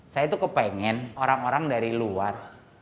saya tuh kepengen orang orang dari luar